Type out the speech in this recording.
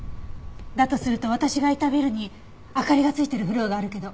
だとすると私がいたビルに明かりがついてるフロアがあるけど。